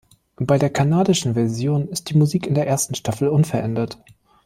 Bei der kanadischen Version ist die Musik in der ersten Staffel unverändert.